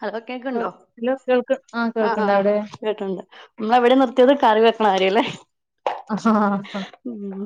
Hello കേ- കേക്ക്‌ണ്ടോ hello കേൾക്ക് ആ ആഹ് കേൾക്കണ്ട ആഹ് അവിടെ കേട്ട്ണ്ട് നമ്മളെവിടെ നിർത്തിയത് കറി വെക്കണ കാര്യല്ലേ ആ മ്മം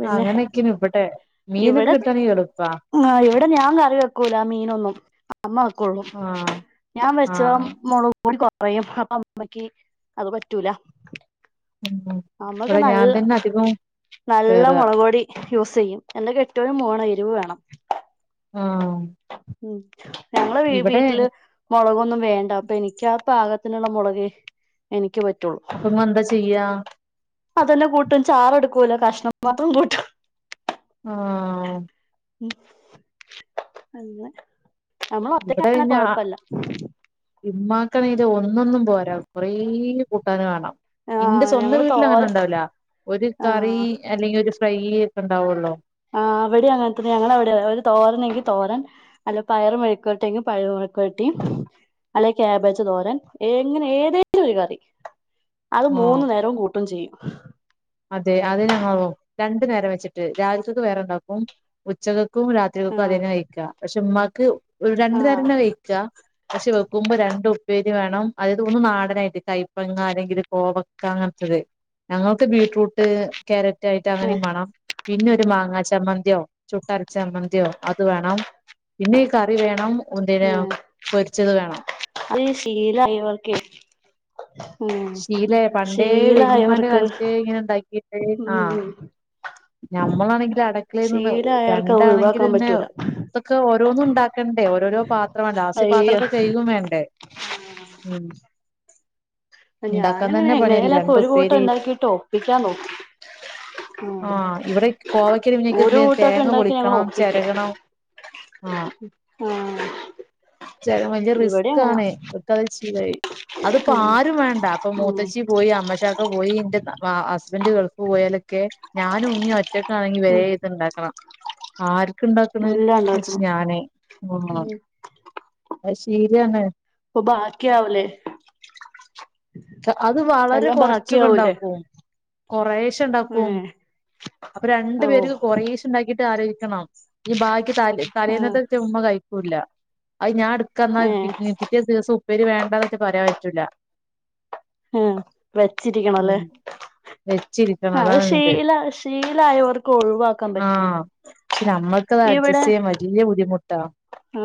പിന്നെ ഇവടെ മീനൊക്കെ ഇവിടെ കിട്ടാണെങ്കി എളു ആഹ് ഇവടെ ഞാൻ കറി വെക്കൂല മീനൊന്നും അമ്മ വെക്കൊള്ളൂ ആഹ് ഞാൻ വെച്ച ആഹ് മൊളക്പൊടി കൊറയും അപ്പൊ അമ്മക്ക് അത് പറ്റൂല ഉം ഉം അമ്മക് നല്ല് നല്ല കേറാ മൊളക് പൊടി യൂസീയ്യും എന്റെ കെട്ട്യോനും വേണം എരിവ് വേണം ആഹ് ഉം ഞങ്ങളെ വി ഇവിടെ വീട്ടില് മൊളകൊന്നും വേണ്ട അപ്പൊ എനിക്ക് ആ പാകത്തിനുള്ള മൊളകെ എനിക്ക് പറ്റുള്ളൂ അപ്പൊ ഇങ്ങളെന്താ ചെയ്യാ അതന്നെ കൂട്ടും ചാറെടുക്കൂല കഷ്ണം മാത്രം കൂട്ടും ആഹ് മം അങ്ങനെ നമ്മള് ഇവടെ ഒറ്റക്കാണെ പിന്നാ ആ കൊഴപ്പല്ല ഇമ്മാക്കാണെങ്കിലോ ഒന്നൊന്നും പോരാ കൊറേ കൂട്ടാന് വാണം ഇന്റെ ആഹ് സ്വന്തം ഞങ്ങള് തോരൻ വീട്ടിലങ്ങനെണ്ടാവുല ഒരു കറി ആഹ് അല്ലെങ്കി ഒരു ഫ്രൈ ഒക്കെ ഉണ്ടാവുള്ളു ആഹ് അവിടെ അങ്ങനത്തെന്ന ഞങ്ങളവടെ ഏ തോരനെങ്കി തോരൻ അല്ല പയറ് മെഴുക്കൊരട്ടിയിക്ക്‌ പയറ് മെഴ്‌ക്കൊരാട്ടി അല്ലെങ്കി കേബേജ് തോരൻ എങ്ങനെ ഏതേിലും ഒരു കറി അത് ആഹ് മൂന്നു നേരവും കൂട്ടും ചെയ്യും അതെ അത് ഞങ്ങളും രണ്ടു നേരം വെച്ചിട്ട് രാവിലത്തത് വേറെണ്ടാക്കും ഉച്ചകക്കും രാത്രികക്കും ആഹ് അതെന്നെയിക്കാം പക്ഷെ ഉമ്മാക്ക് ഒരു രണ്ടു ആഹ് നേരം തെന്നെ വയ്ച്ച പക്ഷെ വെക്കുമ്പോ രണ്ട് ഉപ്പേരി വേണം അയില് ഒന്ന് നാടനായിട്ട് കൈപ്പങ്ങ അല്ലെങ്കില് കോവക്ക അങ്ങനത്തത് ഞങ്ങൾക്ക് ബീറ്ററൂട്ട് ക്യാരറ്റായിട്ട് ആഹ് അങ്ങനിം വാണം പിന്നൊരു മാങ്ങ ചമ്മന്തിയോ ചുട്ടര ചമ്മന്തിയോ അത് വേണം പിന്നെ ഈ കറി വേണം ഒന്തിന് പൊരിച്ചത് വേണം ഇത് ശീലായിവർക്ക് ശീലയി പണ്ടേ വല്യമാന്റെ ശീലായവർക്ക് കാലത്ത് ഇങ്ങനെ ഇണ്ടാക്കിട്ട് ആഹ് ഉം ഞമ്മളാണെങ്കിലോ അടക്കളയിന്ന് ശീലായവർക്ക് അത് ഒഴിവാക്കാൻ രണ്ടാണെങ്കിലന്നെ പറ്റൂല ഇതൊക്കെ ഓരോന്നും ഇണ്ടാക്കണ്ടേ ഓരോരോ പാത്രം വാണ്ടേ ലാസ്റ്റ് ഈ അയ്യോ പാത്രൊക്കെ കയ്കും വേണ്ടേ ഉം ഉണ്ടാക്കാൻ ഞാനങ്ങനെ തന്നെ പണിയല്ലേ എങ്ങനേലൊക്കെ രണ്ട് ഒരു കൂട്ടം ഉപ്പേരി ഉണ്ടാക്കിട്ട് ഒപ്പിക്കാൻ നോകും ആഹ് ഇവിടെ കോവയ്ക്കല് പിന്നെക്ക് ഒരു എന്ത് കൂട്ടൊക്കെ തേങ്ങ ഇണ്ടാക്കി ഞങ്ങള് പൊളിക്കണം ഒപ്പിക്ക ചെരകണം ആഹ് ച്ചാലും വല്ല്യ ഇവിടെ റിസ്ക് അങ്ങനെയാ ആന്നേ ഒക്കെ അത് ശീലായി അതിപ്പോ ആരും വേണ ഉം പോയി അമോഷക്ക പോയി ഇന്റെ വ ഹസ്ബൻ് ഗാർഫി പോയാലൊക്കെ ഞാനും ഉമ്മി ഒറ്റ ഒറ്റൊക്കാണെങ്കി വേം ഉം ഇതുണ്ടക്കണം ആർക് ഇണ്ടാക്ക്നണ് ‌ എല്ലാം എന്ന് ച്ച് ഉണ്ടാക്കണം ഞാന് ഉം അത് ശീരാണ് അപ്പോ ബാക്കിയാവൂല്ലേ അത് വളരെ കൊറച്ചൊക്കെണ്ടാക്കും കൊറേശെ ഇണ്ടാക്കും ഏഹ് അപ്പൊ രണ്ടു ഓ പേര്ക്ക് കൊറേ സ് ണ്ടാക്കിട്ട് ആലൊയിക്കണം ഈ ബാക്കി തലേ ആഹ് തലേന്നത്തെ ച്ച മ്മ കയിക്കൂില്ല അത് ഞാൻടു ക്കന്നാൽ ഏഹ് പിറ്റേ ദിവസം ഉപ്പേരി വേണ്ടന്നൊച്ച പറയാൻ പറ്റൂല്ല. ഉ വെച്ചിരിക്കണോ അല്ലേ ഉം വെച്ചിരിക്കണം ആ അത് അതാണ് എന്ത് ശീല ശീലായവർക്ക് ഒഴിവാക്കാൻ പറ്റില്ല. ആഹ് പക്ഷെ നമ്മക്കത് അഡ്ജസ്റ്റ് ചെയ്യാൻ വല്ല്യെ ബുദ്ധിമുട്ടാ ആ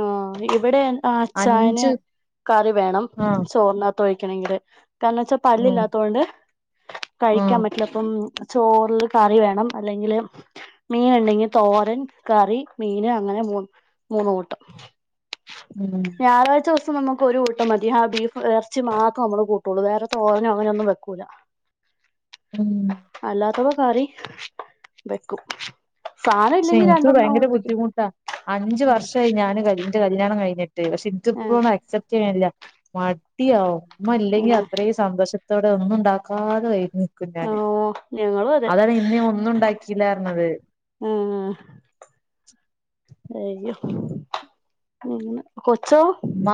ഇവിടെ അച്ചായന് അഞ്ച് കറി വേണം ആഹ് ചോർണ കത്തൊയ്ക്കണെങ്കില് കാരണം വെച്ചാ ഉം പല്ലില്ലാത്തൊണ്ട് കഴിക്കാൻ ആഹ് പറ്റ പ്പം ചോറ്ല് കറി വേണം അല്ലെങ്കില്. മീന്ണ്ടെങ്കില് തോരൻ കറി മീന് അങ്ങനെ മൊ മോന്ന് കൂട്ടം [inaudible] ഞായറാഴ്ച ദിവസം ഞമ്മക്ക്‌ ഒരു കൂട്ടം മതി ഹാ ബീഫ് ഇറച്ചി മാത്ര മ്മള് കൂട്ടൊള്ളൂ വേറെ തോരനോ അങ്ങനെന്നും വെക്കൂല്ല. ഉം അല്ലാത്തപം കറി വെക്കും. സായന വില്ലെങ്കിൽ രണ്ടെണ്ണം ഒപ്പിക്കും. അഞ്ചു വർഷായി ഞാന് ന്റെ കല്യാണം കഴിഞ്ഞിട്ട് പക്ഷെ ഏ ഇൻക്കിപ്പൊ അക്സെപ്റ്റ് ചെയ്യാനില്ല മടിയാകും മ്മല്ലെങ്കി ഏ അത്രയും സന്തോഷത്തോടെ ഒന്നും ണ്ടാക്കാതെ വൈകും. തിന്നാന് ഓ ഞങ്ങളും അതെ അതാണ് ഇന്നേ ഒന്നും ഉണ്ടാക്കിയില്ലാറഞ്ഞത്. ഉം ഉം ഉം കൊച്ചോ? മ്മ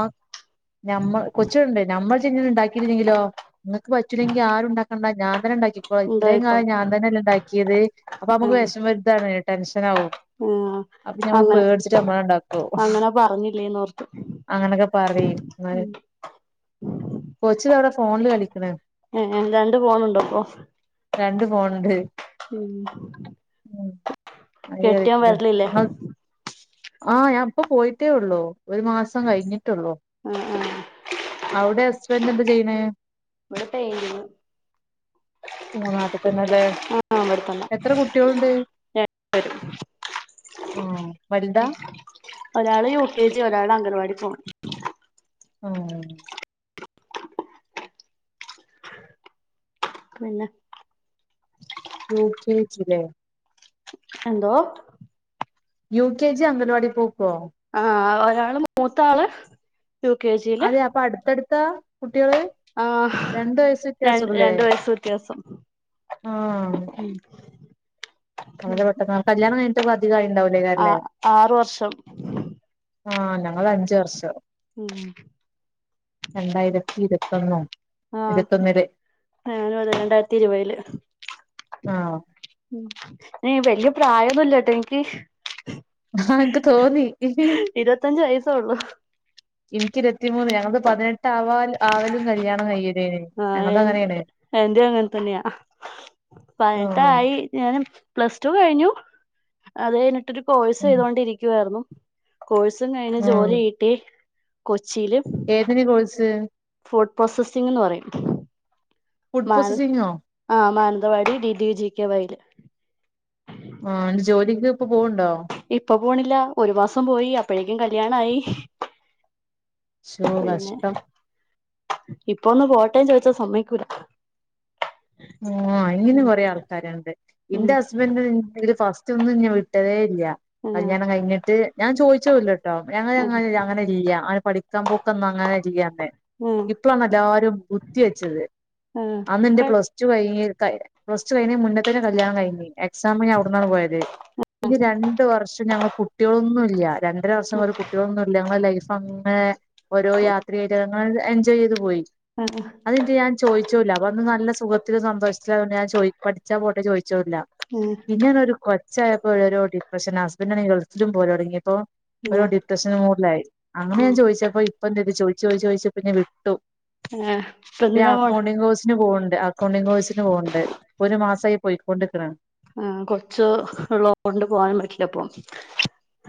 ഞമ്മ കൊച്ച്ണ്ട് ഞമ്മള് ചെങ്ങ ണ്ടാക്കിയിരുന്നെങ്കിലോ? ഇങ്ങക്ക് പറ്റൂില്ലെങ്കി ആും ണ്ടാക്കണ്ടാ ഞാന് തന്നെ ണ്ടാക്കിക്കോളയ് ഇത്രയും കാലം ഉണ്ടായിക്കോളും ഞാ ഞൻ തന്നെല്ല ണ്ടാക്കിയത് അപ്പൊ ഞമ്മക്ക് വെഷമം വെല്താണ് ടെൻഷനാവും. ആ അപ്പൊ ഞമ്മള് പേടിച്ചിട്ട് മ്മള് ണ്ടാക്കും. പറഞ്ഞില്ലേന്നോർത്തു. അങ്ങനൊക്കെ പറിം. കൊച്ചിതാവടെ ഫോണില് കളിക്ക്‌ണ്. ഏ രണ്ട് ഫോണുണ്ടോപ്പൊ? രണ്ട് ഫോൺണ്ട്. [unintelligible] ആഹ്. കെട്ടിയോൻ വരലില്ലേ ഞാൻ ഇപ്പൊ പോയിട്ടേ ഉള്ളു. ഒരു മാസം കഴിഞ്ഞിട്ടൊള്ളു. ആ ആ അവ്ടെ ഹസ്ബന്റ് എന്താ ചെയ്യ് ണ്. ഇവടൊ ഡ്രൈവിംഗ് ഓ നാട്ട്തന്നേല്ലേ. ആ ഇവിടെത്തന്നെ എത്ര കു കുട്ടികളുണ്ട് ആ വല്താ? ഒരാള് യു കെ ജി ഒരാള് അംഗൻവാടി പോവും. ആഹ് പിന്നെ? യു കെ ജി ലെ? എന്തോ യു കെ ജി, അംഗൽവാടി പോക്കോ? ആഹ് ഒരാള് മൂത്താള്. U K G. അതെ അപ്പൊ അട്ത്തട്ത്താ കുട്ടികള്? ആഹ്. രണ്ട് വയസ്സ് ര വ്യത്യാസൊള്ളൂല്ലേ രണ്ട് വയസ് വ്യത്യാസം. ആഹ് ഉം വളരെ പെട്ടെന്നാ. കല്യാണം കയ്ഞ്ഞ്ട്ട് പ്പൊ അധികായീണ്ടാവൂ ആ ആറ് വർഷം. ആഹ് ഞങ്ങളഞ്ച് വർഷം. ഉം രണ്ടായിരത്തി ഇരുവത്തൊന്നോ? ആഹ് ഞാനും അതെന്നെ രണ്ടായിരത്തി ഇരുവേല്. ആഹ് വല്യ പ്രായൊന്നുല്ലട്ടോ ഇൻക്ക്‌. ആഹ് എൻക്ക്‌ തോന്നി. ഇരുപത്തഞ്ച് വയസ്സേ ഉള്ളൂ ഇൻക്കിരത്തിമൂന്ന് ഞങ്ങൾത് പതിനെട്ടാവാ ആവലും കല്യാണം കൈയ്യലും. ആഹ് എ എന്റും അങ്ങൻ തന്ന്യാ ആഹ് പതിനട്ടായി. ഞാൻ പ്ലസ്ടു കഴിഞ്ഞു അത് കഴിഞ്ഞിട്ടൊരു കോഴ്സ് ഉം ചെയ്തൊണ്ടിരിക്കുവായിരുന്നു. കോഴ്സും കഴിഞ്ഞ് ജോലി കിട്ടി കൊച്ചിയില്. ഏതെയ്നി കോഴ്സ്? ഫുഡ് പ്രോസസ്സിംഗ്ന്ന് പറയും. ഫുഡ് മാന പ്രോസസിങ്ങോ ആഹ് Mananthavady D D G K വൈല്. ആഹ് [unintelligible] ജോലിക്ക് പ്പൊ പോവ്ണ്ടോ? ഇപ്പൊ പോണില്ല ഒരു മാസം പോയി അപ്പഴേക്കും കല്യാണായി. ശോ പിന്നെ കഷ്ടം ഇപ്പൊന്ന് പോട്ടെ ചോയ്ച്ചാ സമ്മയ്ക്കൂല. ആഹ് ഇങ്ങനെ കൊറെ ആൾക്കാര്ണ്ട് ഉം ഇന്റെ ഹസ്ബൻഡ് ഫസ്റ്റ് റ്റൊന്നും ഇന്നെ വിട്ടതേല്ല ആഹ് കല്യാണം കയ്ഞ്ഞ്ട്ട് ഞാൻ ചോയ്ച്ചതുല്ലട്ടോ. ആഹ് [unintelligible] പഠിക്കാൻ പോക്കൊന്നും അങ്ങനല്യന്ന്. ആഹ് ഇപ്പൊളാണെല്ലാരും ബുദ്ധിയെച്ചത്. ആഹ്. ന്റെ പെ പ്ലസ് ടു കയിഞ്ഞ് പ്ലസ് ടു കയ്യിണേ മുന്നതന്നെ കല്യാണം കൈഞ്ഞ്. എക്സാംന് അവ്ട്ന്നാണ് പോയത് പിന്നെ രണ്ട് വർഷം ഞങ്ങളെ കുട്ട്യോളൊന്നുല്ല. രണ്ടര വർഷം ഉം വരെ കുട്ട്യോളൊന്നുല്ലന്ന്ല്ല ലൈ അന്ന് ഓരോ യാത്രയിട്ടങ്ങനെങ്‌ എൻജോയെയ്ത് പോയി. അഹ് അതയിഞ്ഞട്ട് ഞാൻ ചോദിചൂല്ല അപ്പൊ അന്ന് നല്ല സുഖത്തിലും സന്തോഷത്തിലുആയതോണ്ട് ഞാൻ ചോ പഠിച്ചാ പോട്ടെ ചോദിച്ചുല്ല. ആഹ് പിന്നെ ആണേ ഒരു കൊച്ചായപ്പോ ഓരോ ഡിപ്രഷൻ ഹസ്ബൻഡറ് ആണെങ്കിൽ ഗൾഫിലിം പോവൽ തോടങ്ങിയപ്പോ ഒരു ആഹ് ഡിപ്രെഷൻ മൂഡിലായി അങ്ങനെ ഉം ഞാൻ ചോദിച്ചപ്പോ ഇപ്പം എന്തെയ്തു ചോയിച്ചു ചോയിച്ച് ചോയിച്ചപ്പം വിട്ടു ആഹ് ഇപ്പ എന്തിനാ പോണെ അക്കൗണ്ടിങ് കോഴ്സിന് പോവ്ണ്ട് ണ്ടിങ് കോഴിസിന് പോവ്ണ്ട് ഒരു മാസായി പോയിക്കൊണ്ട്ക്ക്ണ് ആഹ് കൊച്ചു ഉള്ളൊണ്ട് പോകാനും പറ്റില്ലപ്പം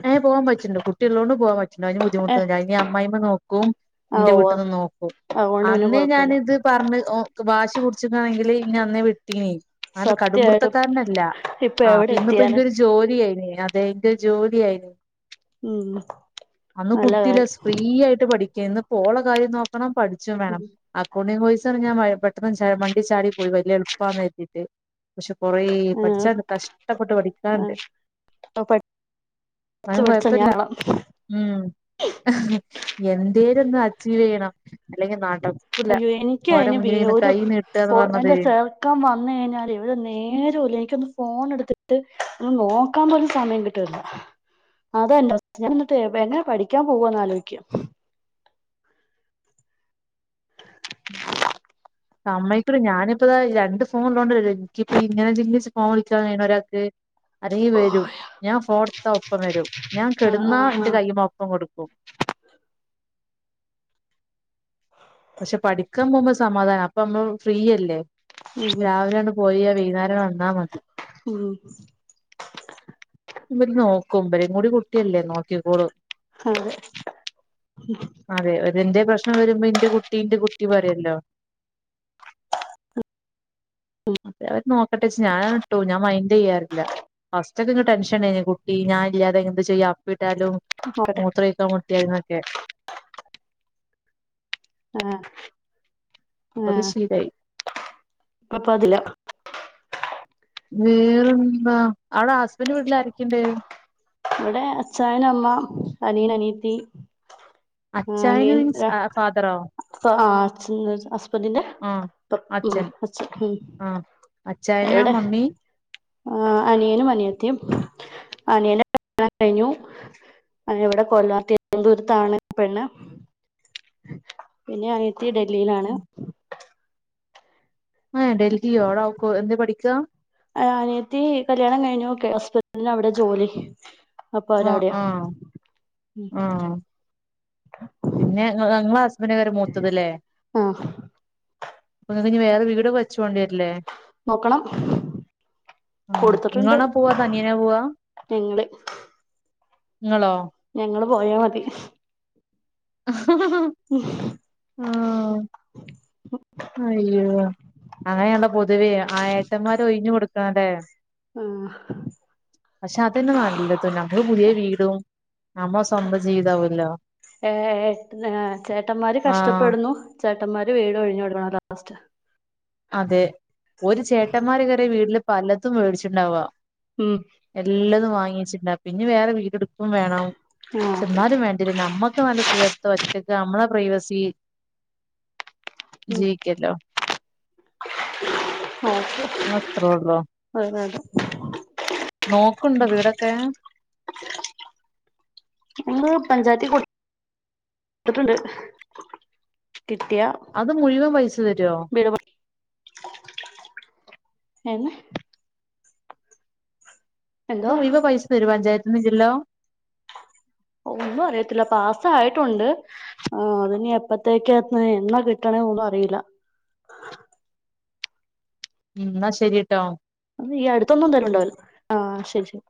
ഏഹ് പോവാൻ പറ്റിണ്ട് കുട്ടികള്ളൊണ്ട് പോവാൻ പറ്റി അയിന് ഏഹ് ബുദ്ധിമുട്ട് അമ്മായിമ്മ നോക്കും ആഹ് ഇന്റെ ഉവ്വ് വീട്ട്ന്ന് നോക്കും അതുകൊണ്ട് പിന്നെ അന്നേ കൊഴപ്പല്ല ഞാനിത് പറഞ്ഞ് വാശി പുടിച്ചിക്കാണെങ്കില് ഇന്നെ അന്നേ വിട്ടീനി അങ്ങനെ സത്യായിട്ടും കടുംപിടുത്തക്കാരനല്ല ഇപ്പൊ എവിടെ ആഹ് ഇന്ന്പ്പൊ എത്തിയാന് ഇൻക് ഒരു ജോലിയെനി അതെങ്ക് ജോലിയേനി ഉം അന്ന് നല്ല കുട്ടില്ല കാര്യം ഫ്രീ ആയിട്ട് പഠിക്കേന്ന് ഓളെ കാര്യം നോക്കണം പഠിച്ചും വേണം അക്കൗണ്ടിങ് കോയിസ് ഞാൻ പെട്ടന്ന് മണ്ടി ചാടി പോയി വലിയ എളുപ്പാന്ന് കർത്തിട്ട് പക്ഷെ കൊറെ ആഹ് പഠിച്ചാണ്ട് കഷ്ടപ്പെട്ട് പഠിക്കാണ്ട് ആപ്പ പ ന്നാലും കൊഴപ്പല്ല ഉം എന്തേലും ഒന്ന് അച്ചീവ് ചെയ്യണം അല്ലെങ്കിൽ നട അയ്യോ എനിക്ക് അയിന് ഒരു -ബി- പറഞ്ഞത് എന്റെ ചേർ നക്കാൻ വന്നു കഴിഞ്ഞാല് ഒരു നേരുല്ല എനിക്കൊന്ന് ഫോൺ എടുത്തിട്ട് ഒന്ന് നോക്കാൻ പോലും സമയം കിട്ടു അതന്നോ ഞാൻ എന്നിട്ട് എന്നാ പഠിക്കാൻ പോവാന്ന് ആലോയിക്കാ സമ്മയികൂല ഞാനിപ്പതാ രണ്ട് ഫോണ് ള്ളൊണ്ട് അല്ലെ എനിക്കിപ്പം ഇങ്ങനെ [unintelligible] ഫോൺ വിളിക്കാൻ കയ്യിനെ ഒരാൾക്ക് അല്ലെങ്കി വരും ഞാൻ ഫോണ്ട്ത്താ ഒപ്പം വരും ഞാൻ ആഹ് കെട്ന്നാ ആഹ് എന്റെ കൈ്മ ഒപ്പം കെടുക്കും പക്ഷെ പഠിക്കാൻ പോകുമ്പോ സമാധാനം അപ്പ നമ്മൾ ഫ്രീയല്ലേ ആഹ് ഉം രാവിലെണ്ട് പോയാ വൈന്നേരം വന്നാ മതി ഉം ഇവര് നോക്കും ബരിം കൂടി കുട്ടിയല്ലേ നോക്കിക്കോളും അതെ അതെ എന്തേ പ്രശ്നം വരുമ്പോ ഇന്റെ കുട്ടി ട്ടീന്റെ കുട്ടി പറയല്ലോ അതെ അവര് നോക്കട്ടെ എന്ന് വച്ച് ഞാൻ അങ് വിട്ടു ഞാൻ മൈൻഡ് ചെയ്യാറില്ല ക്കേ ടെൻഷൻ ഉണ്ടായിനി കുട്ടി ഞാൻ ഇല്ലാതെ എന്ത് ചെയ്യാ അപ്പിട്ടാലും നോക്കട്ടെ മൂത്ര ഒഴിക്കാൻ മുട്ടിയാലുന്നൊക്കെ ആഹ് അത് ആഹ് ശീലായി പ്പം പ്പത്തില്ല വേറെന്താ അവിടെ ഹസ്ബൻഡ്ന്റെ വീട്ടിലാരെക്കേണ്ട് ഇവിടെ അച്ചായൻ അമ്മ അനിയൻ അനിയത്തി അച്ചായൻ മീൻസ് ഫാദറോ അഹ് ആഹ് അച്ഛൻ ഹസ്ബന്റിന്റെ ആഹ് അപ്പൻ മ് അച്ഛൻ മ് ആഹ് അച്ചായനാ ആഹ് മമ്മി ആഹ് അനിയനും അനിയത്തിം അനി കല്യാണം കഴിഞ്ഞു ഇവിടെ കൊല്ലം തിരുവനന്തപുരത്താണ് പെണ്ണ് പിന്നെ അനിയത്തി ഡൽഹിയിലാണ് ആഹ് ഡൽഹിയോ അവ്ടക്കോ എന്താ പഠിക്ക അനിയത്തി കല്യാണം കഴിഞ്ഞു ഓക്കെ ഹസ്ബൻഡ്ന് അവിടെ ജോലി അപ്പോ അവര് ആഹ് അവിടെയാ ആഹ് മ് ആഹ് പിന്നെ ഇങ്ങളെ ഹസ്ബൻഡേക്കാരം മൂത്തത് ലേ ആ അപ്പ നിങ്ങക്ക് ഇനി വേറേ വീട് വെച്ച് പോണ്ടിവേരൂലേ നോക്കണം മ് കൊടുത്തിട്ടുണ്ട് ഇങ്ങണോ പോവാ അതോ അനിയനോ പോവാ ഞങ്ങള് ഇങ്ങളോ ഞങ്ങള് പോയാ മതി ആഹ് ഉ ആഹ് അയ്യോ അങ്ങനെയാണലോ പൊതുവേ ആഹ് എട്ടന്മാര് ഒഴിഞ് കൊടുക്കാണല്ലേ ആഹ് പക്ഷെ അതന്നെ നല്ലത് നമ്മക്ക് പുതിയ വീടും നമ്മ സ്വന്തം ജീവിതാവല്ലോ ഏഹ് ഏഹ് ഏഹ് ചേട്ടന്മാര് ആഹ് കഷ്ടപ്പെടുന്നു ചേട്ടന്മാര് വീട് ഒഴിഞ്ഞു കൊടുക്കണം ലാസ്റ്റ് അതെ ഒരു ചേട്ടന്മാര് കേറിയ വീട്ടില് പലതും മേടിച്ചിണ്ടാവാ ഉം എല്ലതും വാങ്ങിച്ചിണ്ടാവും പിന്നെ വേറെ വീടെടുക്കും വേണം ആ. പക്ഷെ എന്നാലും വേണ്ട ഇ നമ്മക്ക് നല്ല സുഖത്ത് ഒറ്റക്ക് നമ്മളെ പ്രൈവസി ഉം. ജീവിക്കല്ലോ [unintelligible] അത്രേള്ളൂ വേറെ അത്. നോക്ക്ണ്ടോ വീടൊക്കെ നമ്മ പഞ്ചായത്തി കൊടുത്തിട്ടുണ്ട് കിട്ടിയ അത് മുഴുവൻ പൈസ തരുവോ വീട് പണി. ഹേ അത് എന്തോ മുഴുവൻ പൈസ തരുവോ പഞ്ചായത്തിന്ന് ഇല്ലാല്ലോ ഒന്നും അറിയത്തില്ല പാസായിട്ടുണ്ട് ആഹ് അതിനി എപ്പത്തേക്കാന്ന് എന്ന് കിട്ടണെ ഒന്നും അറിയില്ല ഉം എന്നാ ശരിട്ടോ അത് ഈ അടുത്തൊന്നും തരുണ്ടാവല്ല ആഹ് ശരി ശരി